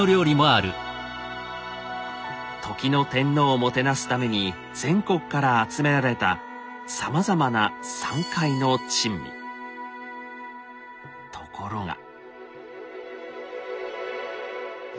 時の天皇をもてなすために全国から集められたさまざまなところが。